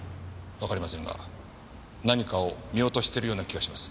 わかりませんが何かを見落としてるような気がします。